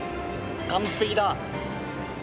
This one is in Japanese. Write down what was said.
完璧だ。